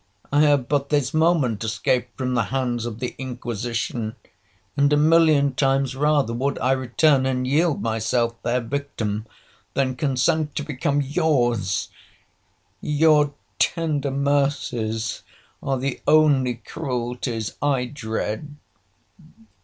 I have but this moment escaped from the hands of the Inquisition, and a million times rather would I return and yield myself their victim, than consent to become yours,—your tender mercies are the only cruelties I dread.